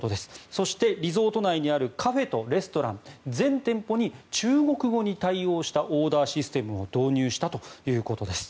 そして、リゾート内にあるカフェとレストラン全店舗に中国語に対応したオーダーシステムを導入したということです。